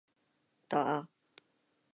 打